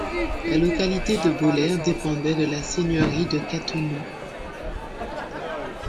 La localité de Boler dépendait de la seigneurie de Cattenom.